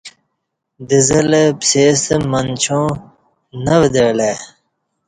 دزہ لہ پسئے ستہ منچاں نہ ودعہ لہ ای